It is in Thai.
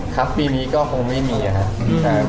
ทับปีนี้ก็ผมไม่มาไม่ซม